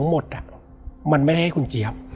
แล้วสักครั้งหนึ่งเขารู้สึกอึดอัดที่หน้าอก